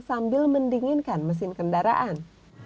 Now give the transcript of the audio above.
sambil mendinginkan mesin kendaraan